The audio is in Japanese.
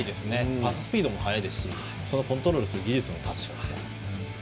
パススピードも速いですしコントロールする技術も確かです。